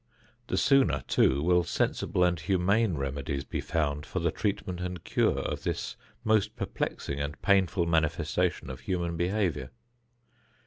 The sooner too will sensible and humane remedies be found for the treatment and cure of this most perplexing and painful manifestation of human behavior.